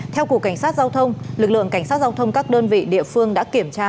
theo cục cảnh sát giao thông lực lượng cảnh sát giao thông các đơn vị địa phương đã kiểm tra